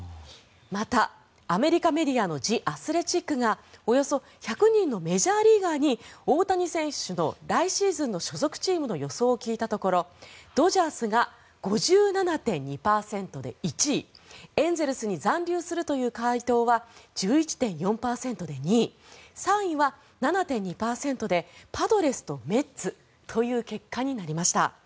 また、アメリカメディアのジ・アスレチックがおよそ１００人のメジャーリーガーに大谷選手の来シーズンの所属チームの予想を聞いたところドジャースが５７．２％で１位エンゼルスに残留するという回答は１１．４％で２位３位は７．２％でパドレスとメッツという結果になりました。